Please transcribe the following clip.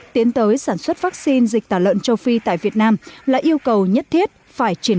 tiến tới sản xuất vaccine dịch tả lợn châu phi tại việt nam là yêu cầu nhất thiết phải triển